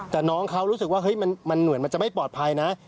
แต่น้องเขารู้สึกว่ามันเหมือนมันจะไม่ปลอดภัยนะ